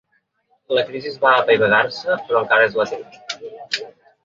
La crisi va apaivagar-se, però encara és latent.